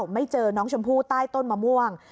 ไม่เจอน้องชมพู่ใต้ต้นมะม่วง